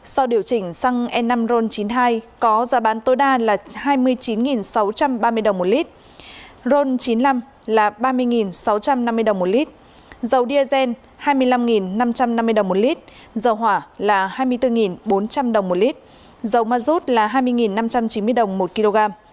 sau điều chỉnh xăng e năm ron chín mươi hai có giá bán tối đa là hai mươi chín sáu trăm ba mươi đồng một lít ron chín mươi năm là ba mươi sáu trăm năm mươi đồng một lít dầu diesel hai mươi năm năm trăm năm mươi đồng một lít dầu hỏa là hai mươi bốn bốn trăm linh đồng một lít dầu ma rút là hai mươi năm trăm chín mươi đồng một kg